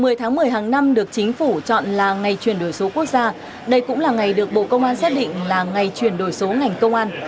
ngày một mươi tháng một mươi hàng năm được chính phủ chọn là ngày chuyển đổi số quốc gia đây cũng là ngày được bộ công an xét định là ngày chuyển đổi số ngành công an